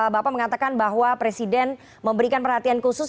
bapak mengatakan bahwa presiden memberikan perhatian khusus